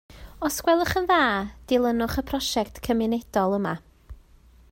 Os gwelwch yn dda, dilynwch y prosiect cymunedol yma